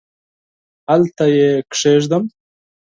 هلته یې کښېږدم ؟؟